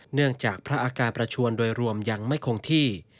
เนื่องจากพระอาการประชวนโดยรวมยังไม่คงที่